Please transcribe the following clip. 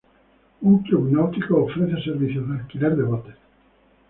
Un club náutico ofrece servicios de alquiler de botes.